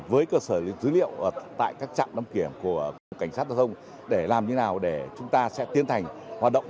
với cơ sở dữ liệu tại các trạm đăng kiểm của cảnh sát hệ thống để làm như nào để chúng ta sẽ tiến hành hoạt động